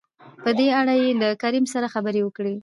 په دې اړه يې له کريم سره خبرې وکړې.